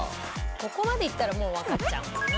ここまでいったらもうわかっちゃうもんな。